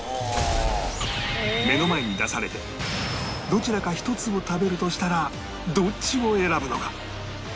目の前に出されてどちらか１つを食べるとしたらどっちを選ぶのか？